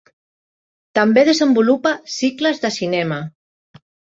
També desenvolupa cicles de cinema.